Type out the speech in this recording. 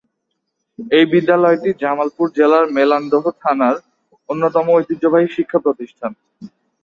এই বিদ্যালয়টি জামালপুর জেলার মেলান্দহ থানার অন্যতম ঐতিহ্যবাহী শিক্ষা প্রতিষ্ঠান।